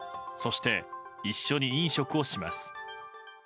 そして、一緒に飲食をします。